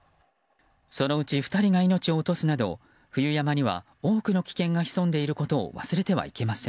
そのうち２人が命を落とすなど冬山には多くの危険がひそんでいることを忘れてはいけません。